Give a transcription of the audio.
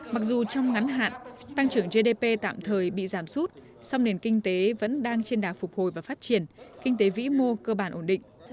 mặc dù trong ngắn hạn tăng trưởng gdp tạm thời bị giảm sút song nền kinh tế vẫn đang trên đà phục hồi và phát triển kinh tế vĩ mô cơ bản ổn định